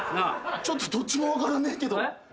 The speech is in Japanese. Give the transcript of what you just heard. ちょっとどっちも分からねえけど。